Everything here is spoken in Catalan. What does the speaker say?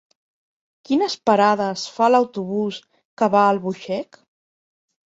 Quines parades fa l'autobús que va a Albuixec?